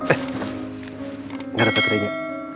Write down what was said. eh gak ada baterainya